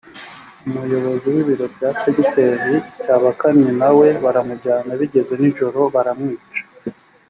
umuyobozi w’ibiro bya segiteri cyabakamyi na we baramujyana bigeze nijoro baramwica